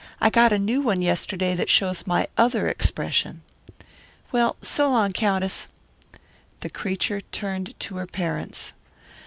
I got a new one yesterday that shows my other expression. Well, so long, Countess." The creature turned to her parents.